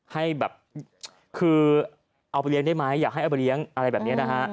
ให้แบบคือเอาไปเลี้ยงได้ไหมอยากให้เอาไปเลี้ยงอะไรแบบนี้นะฮะ